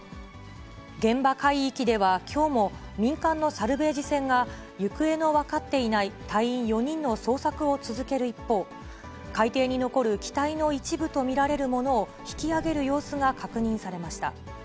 現場海域ではきょうも民間のサルベージ船が行方の分かっていない隊員４人の捜索を続ける一方、海底に残る機体の一部と見られるものを引き揚げる様子が確認されました。